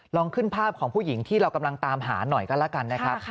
ลองขึ้นภาพของผู้หญิงที่เรากำลังตามหาหน่อยก็แล้วกันนะครับ